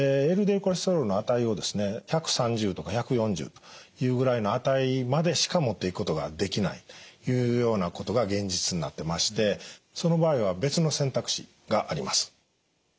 ＬＤＬコレステロールの値をですね１３０とか１４０というぐらいの値までしか持っていくことができないいうようなことが現実になってましてその場合は別の選択肢があります。